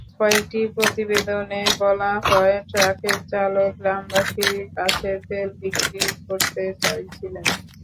কয়েকটি প্রতিবেদনে বলা হয়, ট্রাকের চালক গ্রামবাসীর কাছে তেল বিক্রি করতে চাইছিলেন।